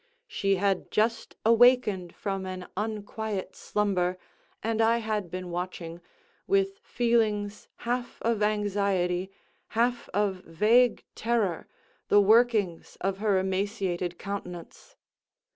She had just awakened from an unquiet slumber, and I had been watching, with feelings half of anxiety, half of vague terror, the workings of her emaciated countenance.